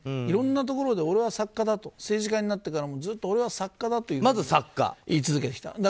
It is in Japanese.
いろんなところで俺は作家だと政治家になってからもずっと、俺は作家だと言い続けてきた。